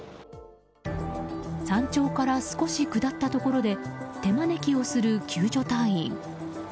山頂から少し下ったところで手招きをする救助隊員。